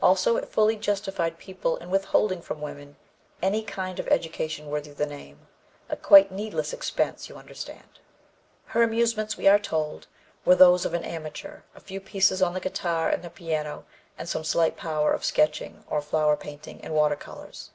Also it fully justified people in withholding from women any kind of education worthy the name. A quite needless expense, you understand." Her amusements, we are told, were "those of an amateur a few pieces on the guitar and the piano and some slight power of sketching or flower painting in water colors."